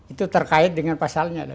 itu terkait dengan pasalnya